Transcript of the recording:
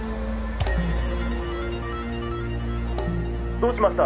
どうしました？